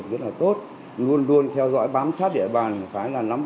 rất là tốt nói chung là hòa nhã